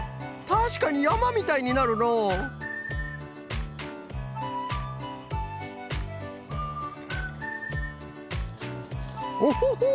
たしかにやまみたいになるのうオホホ！